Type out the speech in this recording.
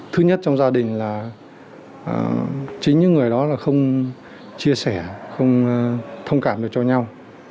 thứ nhất trong gia đình là chính những người đó là không chia sẻ không thông cảm được cho nhau